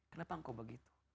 kenapa engkau begitu